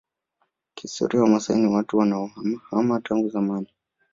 Kihistoria Wamaasai ni watu wanaohamahama tangu zamani